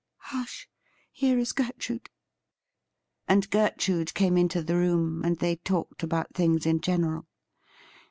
Hush ! here is Gertrude.' And Gertrude came into the room, and they talked about things in general.